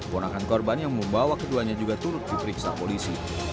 ponakan korban yang membawa keduanya juga turut diperiksa polisi